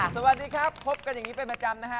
สวัสดีครับพบกันยังงี้เป็นประจำ